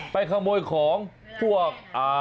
ไปขโมยของพวก